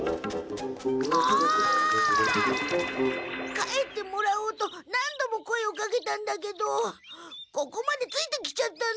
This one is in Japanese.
帰ってもらおうと何度も声をかけたんだけどここまでついてきちゃったの。